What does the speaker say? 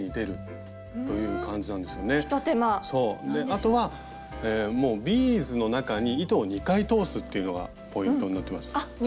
あとはもうビーズの中に糸を２回通すっていうのがポイントになってます。